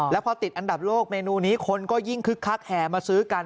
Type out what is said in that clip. แล้วพอติดอันดับโลกเมนูนี้คนก็ยิ่งคึกคักแห่มาซื้อกัน